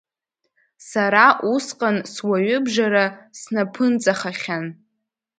Сара усҟан суаҩыбжара снаԥынҵахахьан.